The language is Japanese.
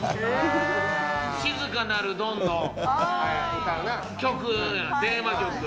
静かなるドンの曲、テーマ曲。